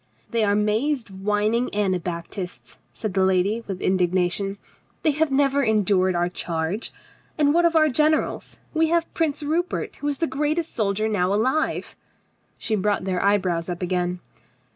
"They are mazed whining Anabaptists," said the lady with indignation. "They have never endured our charge. And what of our generals? We have Prince Rupert, who is the greatest soldier now alive." She brought their eyebrows up again.